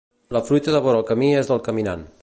La fruita de vora el camí és del caminant.